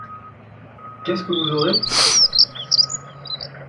Qu'est-ce qu evous aurez ?